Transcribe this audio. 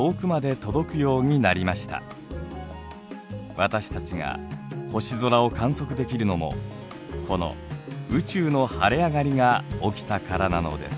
私たちが星空を観測できるのもこの宇宙の晴れ上がりが起きたからなのです。